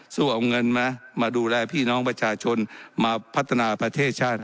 สู้เอาเงินมามาดูแลพี่น้องประชาชนมาพัฒนาประเทศชาติ